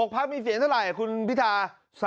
พักมีเสียงเท่าไหร่คุณพิธา